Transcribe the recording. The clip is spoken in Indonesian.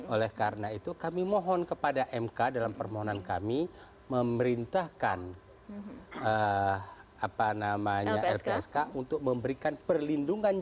oleh karena itu kami mohon kepada mk dalam permohonan kami memerintahkan lpsk untuk memberikan perlindungan